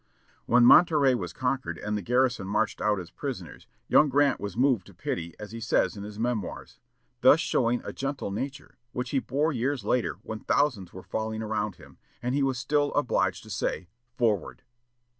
When Monterey was conquered, and the garrison marched out as prisoners, young Grant was moved to pity, as he says in his Memoirs, thus showing a gentle nature, which he bore years later when thousands were falling around him, and he was still obliged to say, "Forward."